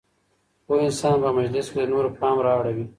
پوه انسان په مجلس کي د نورو پام رااړوي.